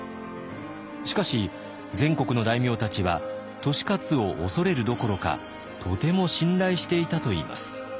しかし全国の大名たちは利勝を恐れるどころかとても信頼していたといいます。